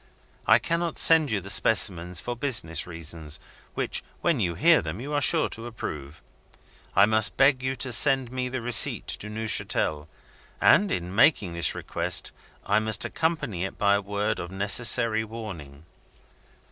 I cannot send you the specimens for business reasons, which, when you hear them, you are sure to approve. I must beg you to send me the receipt to Neuchatel and, in making this request, I must accompany it by a word of necessary warning.